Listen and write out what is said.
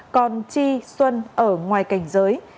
còn tri xuân ở ngoài cảnh giới